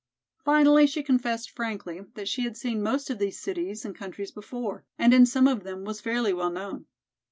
Finally she confessed frankly that she had seen most of these cities and countries before, and in some of them was fairly well known.